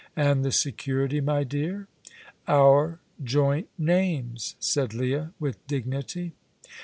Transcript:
"And the security, my dear?" "Our joint names," said Leah, with dignity.